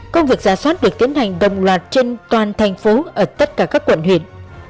công việc giả soát được tiến hành đồng loạt trên toàn thành phố ở tất cả các quận huyện